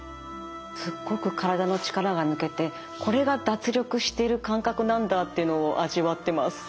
すっごく体の力が抜けてこれが脱力してる感覚なんだっていうのを味わってます。